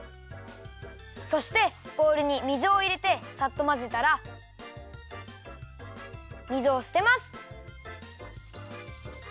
そしてボウルに水をいれてサッとまぜたら水をすてます！